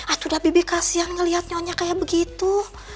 aduh dah bibi kasihan ngeliat nyonya kayak begitu